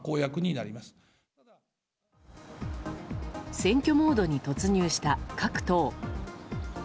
選挙モードに突入した各党。